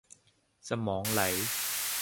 สมองไหล